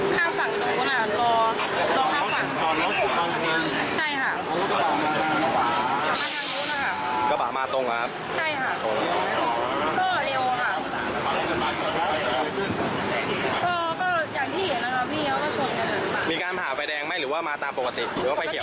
ก็เร็วค่ะก็อย่างที่เห็นนะครับมีการผ่าไฟแดงไหมหรือว่ามาตามปกติหรือว่าไปเขียว